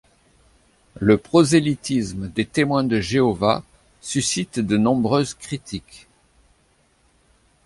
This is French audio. Le prosélytisme des Témoins de Jéhovah suscite de nombreuses critiques.